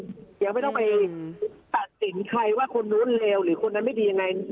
ความเจอในห่วงของการศัลย์ตำรวจไม่ต้องตัดสินใครว่าคนนั้นเลวคนนั้นไม่ดีหรือไม่ดี